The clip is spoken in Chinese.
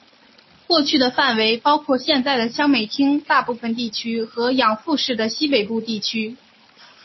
过去的范围包括现在的香美町大部分地区和养父市的西北部地区。